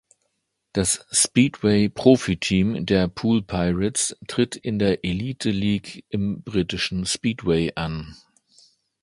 Das Speedway-Profiteam der Poole Pirates tritt in der Elite-League im britischen Speedway an.